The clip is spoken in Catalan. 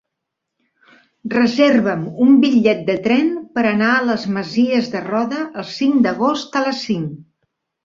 Reserva'm un bitllet de tren per anar a les Masies de Roda el cinc d'agost a les cinc.